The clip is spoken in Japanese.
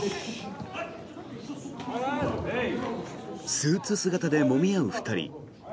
スーツ姿でもみ合う２人。